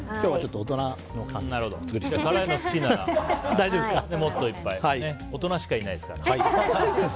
大人しかいないですから。